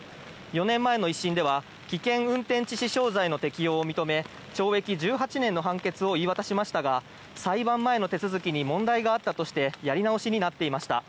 ４年前の１審では危険運転致死傷罪の適用を認め懲役１８年の判決を言い渡しましたが裁判前の手続きに問題があったとしてやり直しになっていました。